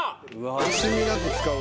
惜しみなく使うやん。